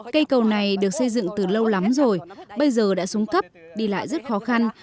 cây cầu này được xây dựng từ lâu lắm rồi bây giờ đã xuống cấp đi lại rất khó khăn